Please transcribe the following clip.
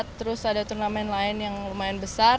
terus ada turnamen lain yang lumayan besar